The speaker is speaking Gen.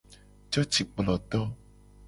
Cocikploto.